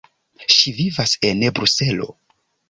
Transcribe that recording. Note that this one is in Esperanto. Ŝi vivas en Bruselo.